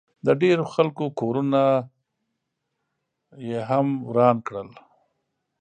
د ډېرو خلکو کورونه ئې هم وران کړل